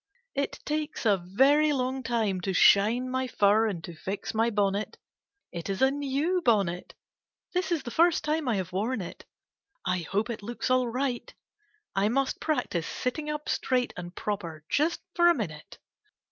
It takes a very long time to shine my fur and to fix my bonnet. It is a new bonnet. This is the first time I have worn it. I hope it looks all right. I must practice sitting up straight and proper just for a minute.